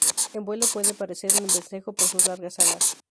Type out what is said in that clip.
En vuelo puede parecer un vencejo por sus largas alas.